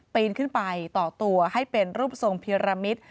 ปีนขึ้นไปต่อตัวให้เป็นรูปทรงพิรมิต